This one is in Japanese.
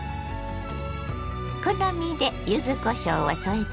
好みで柚子こしょうを添えてね。